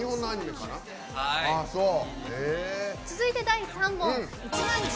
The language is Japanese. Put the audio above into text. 続いて第３問。